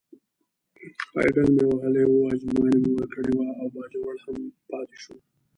پایډل مې وهلی و، ازموینه مې ورکړې وه او باجوړ هم پاتې شو.